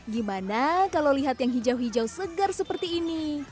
gimana kalau lihat yang hijau hijau segar seperti ini